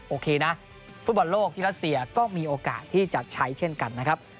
โอเคนะฟุตบอลโลกที่รัสเซียก็มีโอกาสที่จะใช้เช่นกันนะครับ